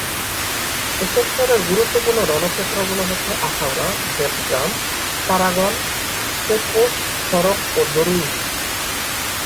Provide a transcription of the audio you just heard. এ সেক্টরের গুরুত্বপূর্ণ রণক্ষেত্রগুলো হচ্ছে আখাউড়া, দেবগ্রাম, তারাগণ, চেকপোস্ট সড়ক ও দরুইন।